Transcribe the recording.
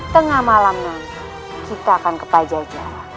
tengah malam nanti kita akan ke pajajar